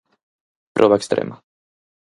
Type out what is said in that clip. Proba extrema.